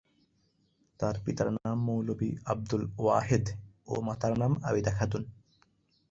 তার পিতার নাম মৌলভি আবদুল ওয়াহেদ ও মাতার নাম আবিদা খাতুন।